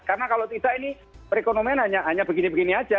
karena kalau tidak ini perekonomian hanya begini begini saja